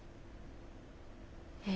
え？